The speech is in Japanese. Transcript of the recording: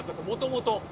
もともと。